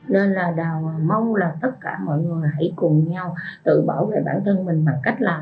nên là đào mong là tất cả mọi người hãy cùng nhau tự bảo vệ bản thân mình bằng cách làm